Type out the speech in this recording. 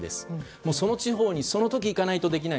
その地方にその時行かないとできない。